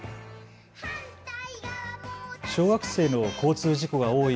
小学生の交通事故が多い